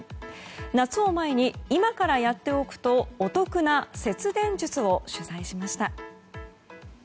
夏を前に今からやっておくとお得な節電術を取材しました。